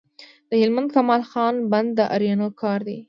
د هلمند کمال خان بند د آرینو کار دی